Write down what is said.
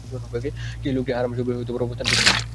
সেই লোকটি হারম শরীফে অবস্থান করছিল।